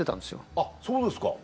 あっそうですか。